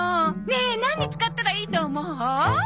ねえ何に使ったらいいと思う？